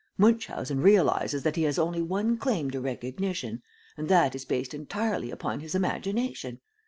Munchausen realizes that he has only one claim to recognition, and that is based entirely upon his imagination.